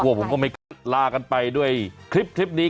พบว่าผมไม่กล้านะลากันไปด้วยคลิปนี้